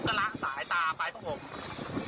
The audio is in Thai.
แต่ว่าผมก็ล้างสายตาไปตรงผม